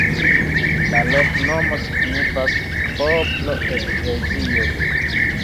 La loknomo signifas poplo-eklezio.